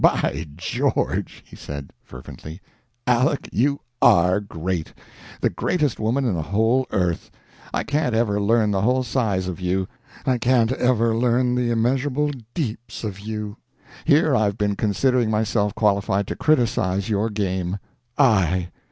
"By George!" he said, fervently, "Aleck, you _are _great the greatest woman in the whole earth! I can't ever learn the whole size of you. I can't ever learn the immeasurable deeps of you. Here I've been considering myself qualified to criticize your game. _I!